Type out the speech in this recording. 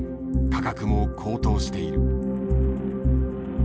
価格も高騰している。